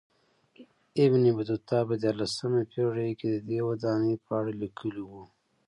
ابن بطوطه په دیارلسمه پېړۍ کې ددې ودانۍ په اړه لیکلي و.